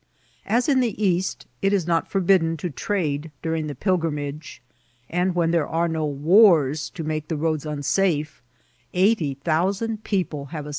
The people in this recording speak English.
As in the East, ^^ it is not forbidden to trade du ring the pilgrimage ;" and when there are no wars to make the roads unsafe, eighty thousand people have as CHURCH OF HSQUIPULAS.